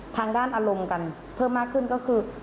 ทางด้านอารมณ์กันเพิ่มมากขึ้นก็คือ